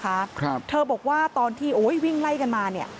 ครับเธอบอกว่าตอนที่โอ้ยวิ่งไล่กันมาเนี้ย